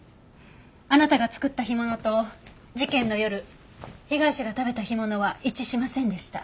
あなたが作った干物と事件の夜被害者が食べた干物は一致しませんでした。